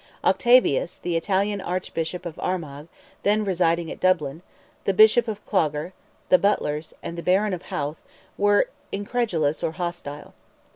Octavius, the Italian Archbishop of Armagh, then residing at Dublin, the Bishop of Clogher, the Butlers, and the Baron of Howth, were incredulous or hostile.